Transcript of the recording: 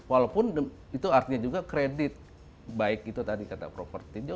walaupun itu artinya juga kredit baik itu tadi kata properti